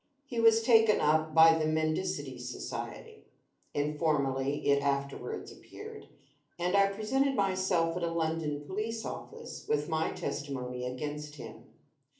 He was taken up by the Mendicity Society (informally it afterwards appeared), and I presented myself at a London Police Office with my testimony against him.